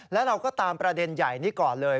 แล้วเราก็ตามประเด็นใหญ่นี้ก่อนเลย